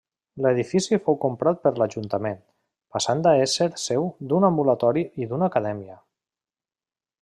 L'edifici fou comprat per l'ajuntament, passant a ésser seu d'un ambulatori i d'una acadèmia.